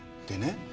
でね